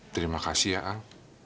terima kasih ya al